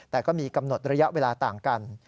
แต่ก็มีกำหนดระยะเวลาต่างกัน